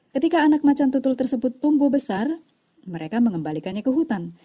ketika anak macan tutul tersebut tunggu besar mereka mengembalikannya ke hutan